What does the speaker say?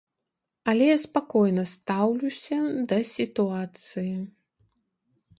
Але я спакойна стаўлюся да сітуацыі.